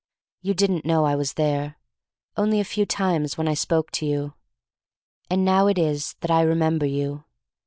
You didn't know I was there — only a few times when I spoke to you. "And now it is that I remember you.